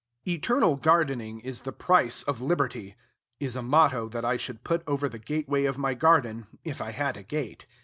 "Eternal gardening is the price of liberty," is a motto that I should put over the gateway of my garden, if I had a gate.